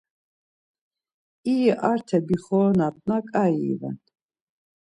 İri arte bixoronatna ǩai iven.